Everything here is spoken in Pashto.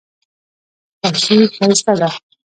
خوښي ښایسته ده.